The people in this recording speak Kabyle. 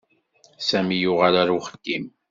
Sami yuɣal ɣer uxeddim.